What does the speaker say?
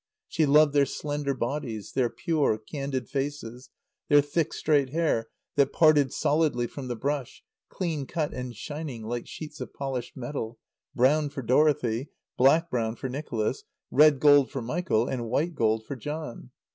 She loved their slender bodies, their pure, candid faces, their thick, straight hair that parted solidly from the brush, clean cut and shining like sheets of polished metal, brown for Dorothy, black brown for Nicholas, red gold for Michael and white gold for John.